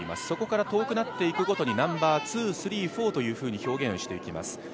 そこから遠くなっていくごとにナンバーツー、スリー、フォーというふうに表現をしていきます。